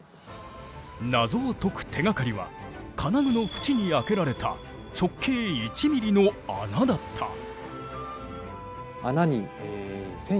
謎を解く手がかりは金具の縁に開けられた直径１ミリの穴だった。